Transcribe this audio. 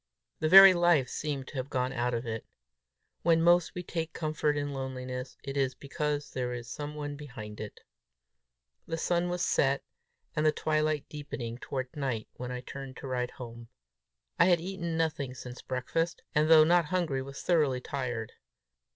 The very life seemed to have gone out of it. When most we take comfort in loneliness, it is because there is some one behind it. The sun was set and the twilight deepening toward night when I turned to ride home. I had eaten nothing since breakfast, and though not hungry, was thoroughly tired.